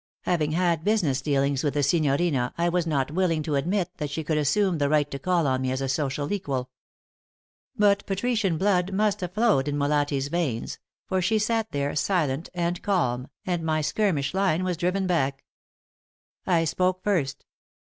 Having had business dealings with the signorina I was not willing to admit that she could assume the right to call on me as a social equal. But patrician blood must have flowed in Molatti's veins, for she sat there silent and calm, and my skirmish line was driven back. I spoke first.